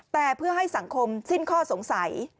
แต่เพื่อให้สังคมสิ้นข้อสงสัย